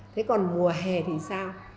thế còn mùa hè thì sao